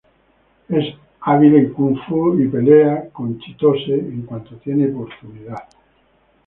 Es hábil en Kung Fu, y pelea con Chitose en cuanto tiene oportunidad.